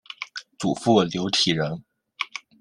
祖父刘体仁。